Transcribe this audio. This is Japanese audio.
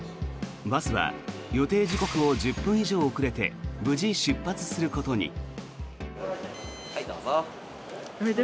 バスは予定時刻を１０分以上遅れて無事、出発することに。